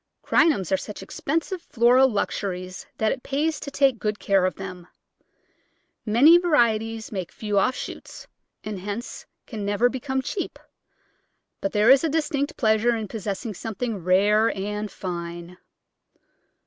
Crinums are such expensive floral luxuries that it pays to take good care of them. Many varieties make few offshoots, and hence can never become cheap, but there is a distinct pleasure in possessing something rare and fine.